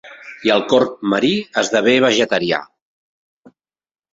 I el corb marí esdevé vegetarià.